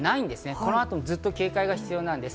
この後もずっと警戒が必要です。